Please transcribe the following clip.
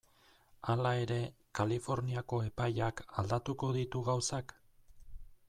Hala ere, Kaliforniako epaiak aldatuko ditu gauzak?